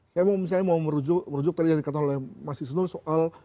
saya mau merujuk tadi yang dikatakan oleh mas isnur soal